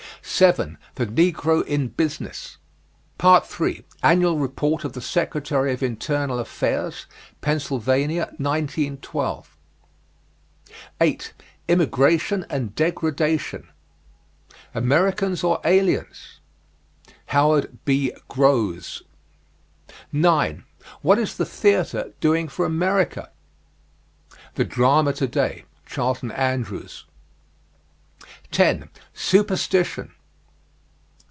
THE NEGRO IN BUSINESS. Part III, Annual Report of the Secretary of Internal Affairs, Pennsylvania, 1912. 8. IMMIGRATION AND DEGRADATION. "Americans or Aliens?" Howard B. Grose. 9. WHAT IS THE THEATRE DOING FOR AMERICA? "The Drama Today," Charlton Andrews. 10. SUPERSTITION.